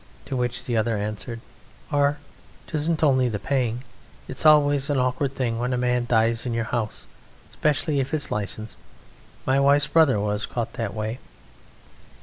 To which the other answered: "Ar, 'tisn't only the paying: it's always an awkward thing when a man dies in your house, specially if it's licensed. My wife's brother was caught that way."